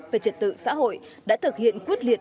về trật tự xã hội đã thực hiện quyết liệt